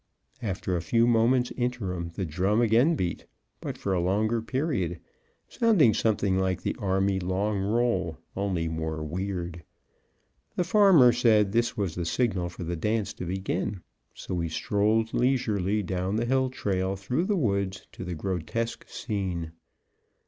After a few moments' interim the drum again beat, but for a longer period, sounding something like the army long roll, only more weird. The farmer said this was the signal for the dance to begin, so we strolled leisurely down the hill trail through the woods to the grotesque scene.